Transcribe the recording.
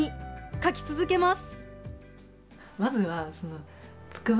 描き続けます。